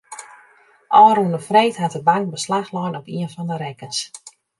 Ofrûne freed hat de bank beslach lein op ien fan de rekkens.